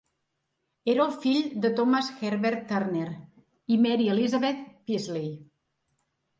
Era el fill de Thomas Herbert Turner i Mary Elizabeth Peasley.